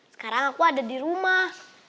sekarang aku ada di rumah